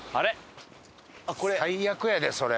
最悪やでそれ。